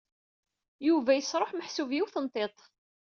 Yuba yesṛuḥ meḥsub yiwet n tiṭ.